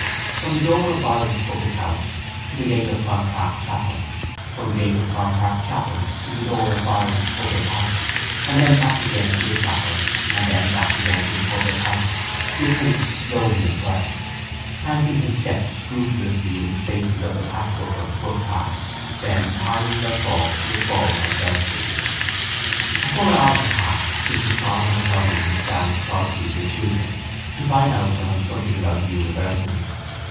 From the door of Byron's public house to the gate of Clontarf Chapel, from the gate of Clontarf Chapel to the door of Byron's public house and then back again to the chapel and then back again to the public house he had paced slowly at first, planting his steps scrupulously in the spaces of the patchwork of the footpath, then timing their fall to the fall of verses. A full hour had passed since his father had gone in with Dan Crosby, the tutor, to find out for him something about the university.